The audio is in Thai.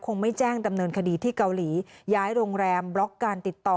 ไม่แจ้งดำเนินคดีที่เกาหลีย้ายโรงแรมบล็อกการติดต่อ